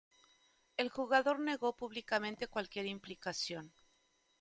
El jugador negó públicamente cualquier implicación.